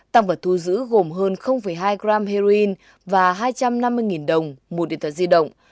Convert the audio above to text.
tăng vật thu giữ gồm hơn hai gram heroin và hai trăm năm mươi đồng một điện thoại di động